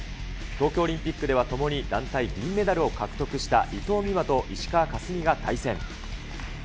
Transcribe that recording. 東京オリンピックでは共に団体銀メダルを獲得した伊藤美誠と石川佳純が対戦。